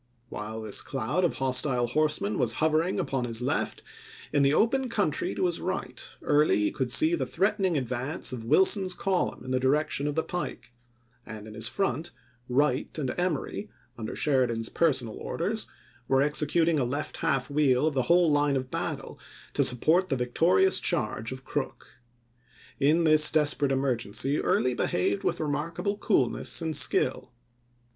While this cloud of hostile horsemen was hovering upon his left, in the open country to his right Early could see the threatening advance of Wilson's column in the direction of the pike ; and in his front, Wright and Emory, under Sheridan's personal orders, were executing a left half wheel of the whole line of battle to support the victorious charge of Crook. In this desperate emergency Early behaved with remarkable coolness and skill.